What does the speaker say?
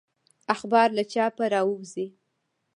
اخبار له چاپه راووزي.